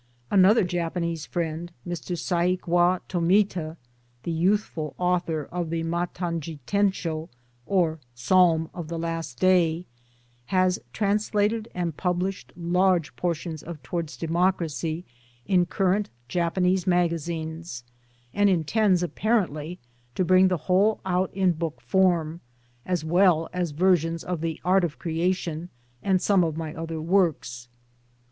Another Japanese friend, Mr. Saikwa Tomita, the youthful author of The Matanjitenshd. or Psalm of the Last Day, has translated and published large portions of Towards Democracy in current Japanese magazines, and intends apparently to bring the whole out in book formas well as versions of The 'Art of Creation and some of my other works.